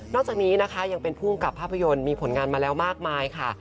จากนี้นะคะยังเป็นภูมิกับภาพยนตร์มีผลงานมาแล้วมากมายค่ะ